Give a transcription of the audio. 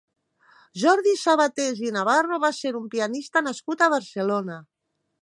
Jordi Sabatés i Navarro va ser un pianista nascut a Barcelona.